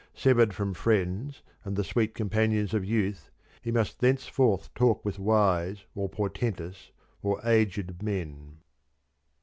Severed from friends and the sweet companions of youth, he must thenceforth talk with wise or portentous or aged men.